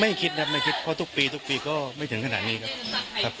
คิดครับไม่คิดเพราะทุกปีทุกปีก็ไม่ถึงขนาดนี้ครับ